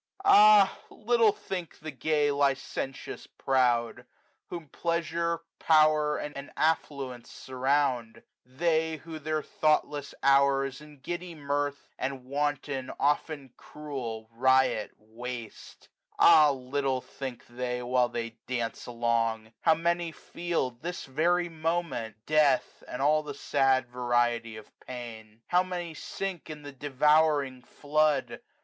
Ah little think the gay licentious proud. Whom pleasure, power, and affluence surround; They, who their thoughtless hours in giddy mirth. And wanton, often cruel, riot waste; 325 Ah little think they, while they dance along, flow many feel, this very moment, death, ^nd all the sad variety of pain. B B :; i8S WINTER. How many sink in the deYOuring flood.